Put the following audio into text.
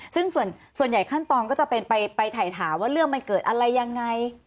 ซึ่งส่วนใหญ่ขั้นตอนก็จะเป็นไปถ่ายถามว่าเรื่องมันเกิดอะไรยังไง